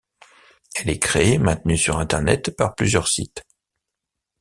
Elle est créée et maintenue sur internet par plusieurs sites.